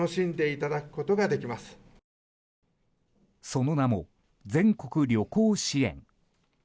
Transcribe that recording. その名も、全国旅行支援。